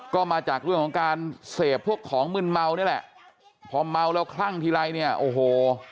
ก็มาจากเรื่องของการเสพพวกของมึนเมานี่แหละพอเมาแล้วคลั่งทีไรเนี่ยโอ้โห